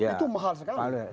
itu mahal sekali